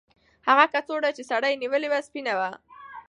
هغه کڅوړه چې سړي نیولې وه سپینه وه.